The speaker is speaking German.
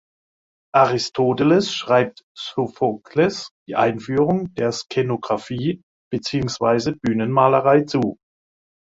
Aristoteles schreibt Sophokles die Einführung der „Skenographie“ bzw. Bühnenmalerei zu.